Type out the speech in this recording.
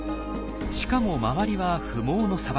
しかも周りは不毛の砂漠。